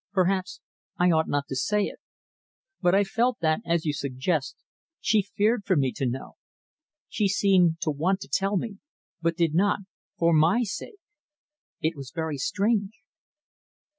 "Perhaps I ought not to say it. But I felt that, as you suggest, she feared for me to know. She seemed to want to tell me, but did not, for my sake. It was very strange."